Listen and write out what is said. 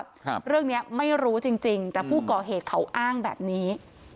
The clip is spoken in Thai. ครับเรื่องเนี้ยไม่รู้จริงจริงแต่ผู้ก่อเหตุเขาอ้างแบบนี้